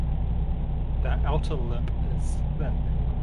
The outer lip is thin.